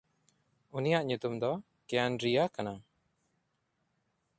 ᱩᱱᱤᱭᱟᱜ ᱧᱩᱛᱩᱢ ᱫᱚ ᱠᱮᱭᱟᱱᱰᱨᱤᱭᱟ ᱠᱟᱱᱟ᱾